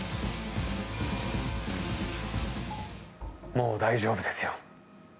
もう大丈夫ですよ。